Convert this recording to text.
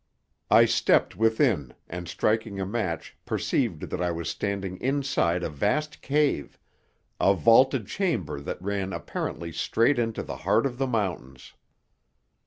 I stepped within and, striking a match perceived that I was standing inside a vast cave a vaulted chamber that ran apparently straight into the heart of the mountains.